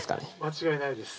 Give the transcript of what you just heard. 間違いないです